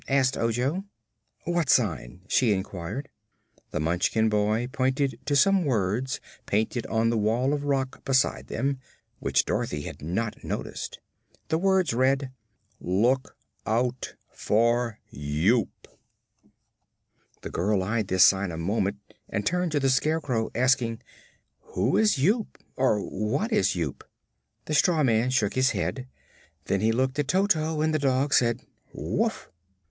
asked Ojo. "What sign?" she inquired. The Munchkin boy pointed to some words painted on the wall of rock beside them, which Dorothy had not noticed. The words read: "LOOK OUT FOR YOOP." The girl eyed this sign a moment and turned to the Scarecrow, asking: "Who is Yoop; or what is Yoop?" The straw man shook his head. Then looked at Toto and the dog said "Woof!"